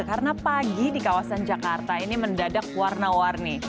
karena pagi di kawasan jakarta ini mendadak warna warni